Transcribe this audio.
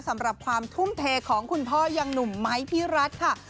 สำหรับความทุ่มเทของคุณพ่อยังหนุ่มไม้พี่รัฐค่ะ